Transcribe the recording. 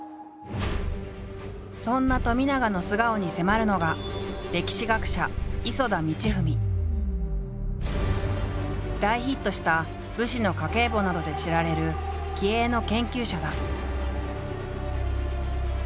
そんな冨永の素顔に迫るのが大ヒットした「武士の家計簿」などで知られる気鋭の研究者だ。